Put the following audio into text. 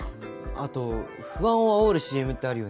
あと不安をあおるＣＭってあるよね。